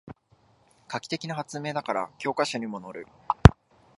画期的な発明だから教科書にものる